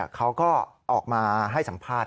เขาก็ออกมาให้สัมภาษณ์